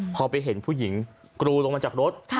พอไปเห็นผู้หญิงกรูลงมาจากรถ